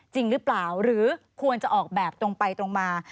จริงหรือเปล่าหรือควรจะออกแบบตรงไปตรงมา